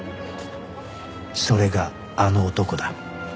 それがあの男だ